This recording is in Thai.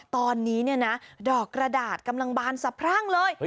ตอนนี้ดอกกระดาษกำลังบานสับพรั่งเลย